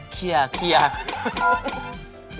เคลียร์